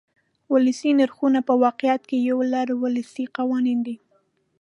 ولسي نرخونه په واقعیت کې یو لړ ولسي قوانین دي.